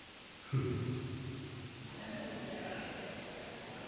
フッ。